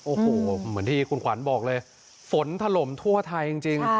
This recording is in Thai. โอ้โหเหมือนที่คุณขวัญบอกเลยฝนถล่มทั่วไทยจริง